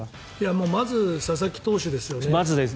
まず佐々木投手ですよね。